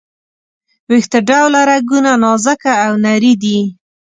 ویښته ډوله رګونه نازکه او نري دي.